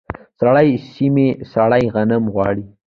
سړې سیمې سړې غنم غواړي.